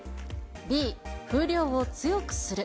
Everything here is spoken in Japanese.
Ｂ、風量を強くする。